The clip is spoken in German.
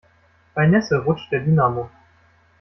Bei Nässe rutscht der Dynamo.